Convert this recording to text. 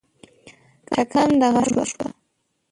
ټکنده غرمه شومه